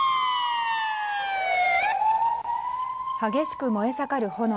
激しく燃え盛る炎。